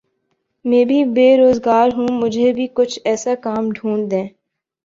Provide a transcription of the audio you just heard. میں بھی بے روزگار ہوں مجھے بھی کچھ ایسا کام ڈھونڈ دیں